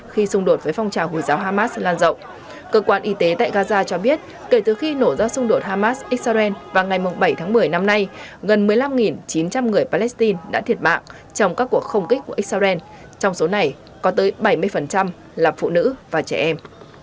khi xung đột với phong trào hồi giáo hamas lan rộng cơ quan y tế tại gaza cho biết kể từ khi nổ ra xung đột hamas israel vào ngày bảy tháng một mươi năm nay gần một mươi năm chín trăm linh người palestine đã thiệt mạng trong các cuộc không kích của israel trong số này có tới bảy mươi là phụ nữ và trẻ em